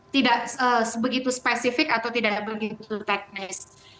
tidak begitu spesifik atau tidak begitu teknis